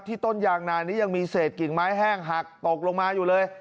ต้นยางนานี้ยังมีเศษกิ่งไม้แห้งหักตกลงมาอยู่เลย